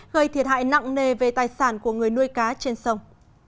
gây thiệt hại nặng nề về tài sản của người nuôi cá trên sông